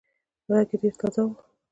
غږ يې ډېر تازه وو.